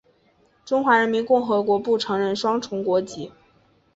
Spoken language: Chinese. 中华人民共和国不承认双重国籍。